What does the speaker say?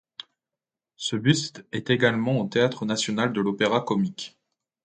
Ce buste est également au théâtre national de l'Opéra-Comique.